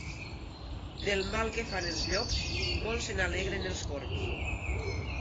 Del mal que fan els llops, molt se n'alegren els corbs.